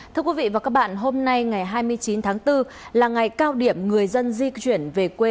thưa quý vị và các bạn hôm nay ngày hai mươi chín tháng bốn là ngày cao điểm người dân di chuyển về quê